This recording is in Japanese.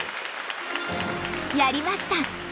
やりました！